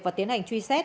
và tiến hành truy xét